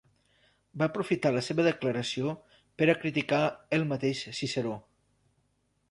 Va aprofitar la seva declaració per a criticar el mateix Ciceró.